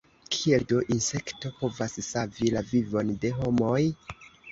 Kiel do insekto povas savi la vivon de homoj?